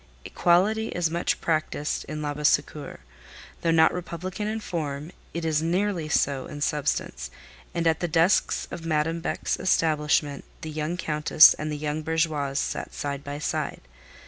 Equality is much practised in Labassecour; though not republican in form, it is nearly so in substance, and at the desks of Madame Beck's establishment the young countess and the young bourgeoise sat side by side.